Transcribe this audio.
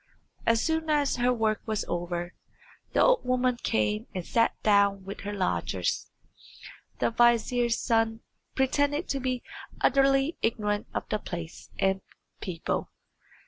As soon as her work was over the old woman came and sat down with her lodgers. The vizier's son pretended to be utterly ignorant of the place and people.